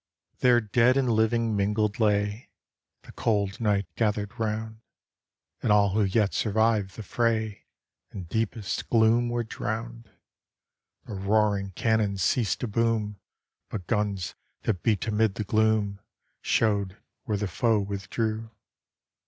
There dead and living mingled lay, The cold night gathered round, And all who yet survived the fray In deepest gloom were drowned; The roaring cannon ceased to boom, But guns that beat amid the gloom Showed where the foe withdrew.